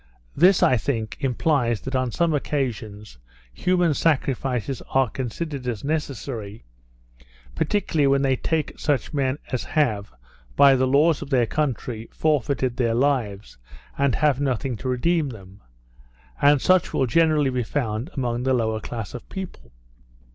This, I think, implies, that on some occasions, human sacrifices are considered as necessary, particularly when they take such men as have, by the laws of their country, forfeited their lives, and have nothing to redeem them; and such will generally be found among the lower class of people.